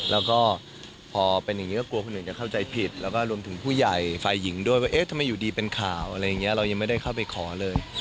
แล้วก็พอเป็นอย่างนี้ก็กลัวคนอื่นจะเข้าใจผิดแล้วก็รวมถึงผู้ใหญ่ฝ่ายหญิงด้วยว่าเอ๊ะทำไมอยู่ดีเป็นข่าวอะไรอย่างนี้เรายังไม่ได้เข้าไปขอเลย